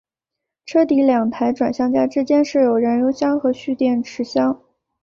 车底两台转向架之间设有燃油箱和蓄电池箱。